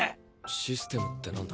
システムって何だ。